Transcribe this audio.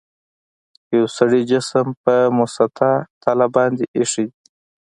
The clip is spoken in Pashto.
یو سړي جسم په مسطح تله باندې ایښي دي.